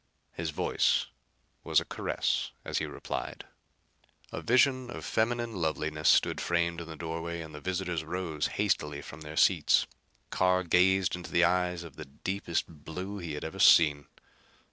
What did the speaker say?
His voice was a caress as he replied. A vision of feminine loveliness stood framed in the doorway and the visitors rose hastily from their seats. Carr gazed into eyes of the deepest blue he had ever seen.